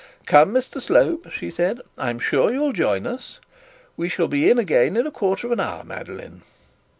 'Come, Mr Slope,' she said; 'I'm sure you'll join us. We shall be in again in quarter of an hour, Madeline.'